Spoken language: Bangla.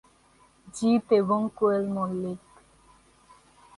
জিত এবং কোয়েল মল্লিক